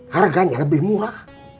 harganya lebih murah